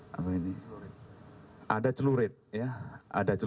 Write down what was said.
jmanak buluk mdt plastik kecil